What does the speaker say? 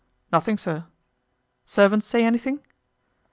'Nothing, sir.' 'Servants say anything?